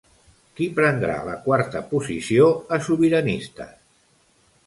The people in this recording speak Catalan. Qui prendrà la quarta posició a Sobiranistes?